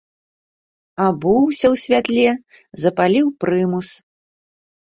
Абуўся ў святле, запаліў прымус.